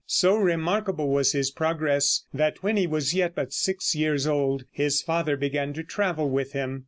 So remarkable was his progress, that when he was yet but six years old his father began to travel with him.